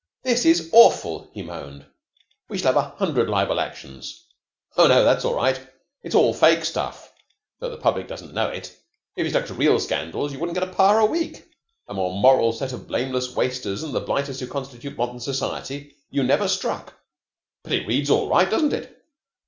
"This is awful," he moaned. "We shall have a hundred libel actions." "Oh, no, that's all right. It's all fake stuff, tho the public doesn't know it. If you stuck to real scandals you wouldn't get a par. a week. A more moral set of blameless wasters than the blighters who constitute modern society you never struck. But it reads all right, doesn't it?